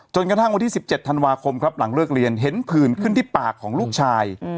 กระทั่งวันที่๑๗ธันวาคมครับหลังเลิกเรียนเห็นผื่นขึ้นที่ปากของลูกชาย